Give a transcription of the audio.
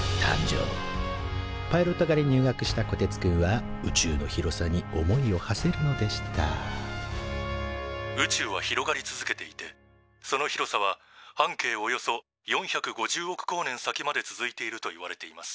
パイロット科に入学したこてつくんは宇宙の広さに思いをはせるのでした「宇宙は広がり続けていてその広さは半径およそ４５０億光年先まで続いているといわれています」。